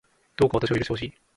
どうか私を許してほしい